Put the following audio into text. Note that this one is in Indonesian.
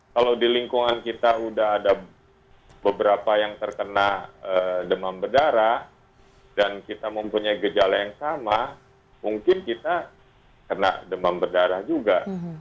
kalau di lingkungan kita sudah ada beberapa yang terkena demam berdarah dan kita mempunyai gejala yang sama mungkin kita kena demam berdarah juga